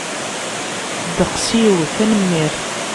Ddeqs-iw, tanemmirt.